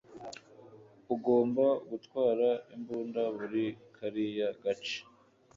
Ugomba gutwara imbunda muri kariya gace.